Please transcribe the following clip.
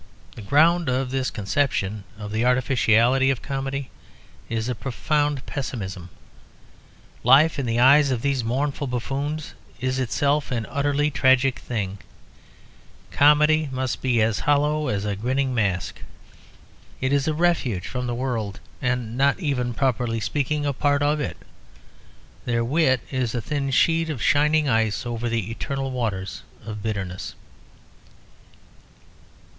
The ground of this conception of the artificiality of comedy is a profound pessimism. Life in the eyes of these mournful buffoons is itself an utterly tragic thing; comedy must be as hollow as a grinning mask. It is a refuge from the world, and not even, properly speaking, a part of it. Their wit is a thin sheet of shining ice over the eternal waters of bitterness.